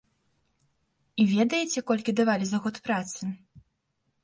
І ведаеце, колькі давалі за год працы?